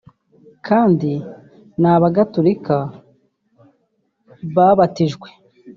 kandi ni abagaturika babatijwe